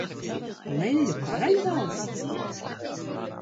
Leļļu karaļvalsts?